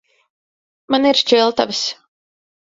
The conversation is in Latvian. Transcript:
Man ir šķiltavas.